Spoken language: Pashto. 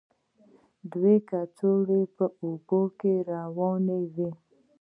دوه کڅوړې په اوبو کې روانې وې.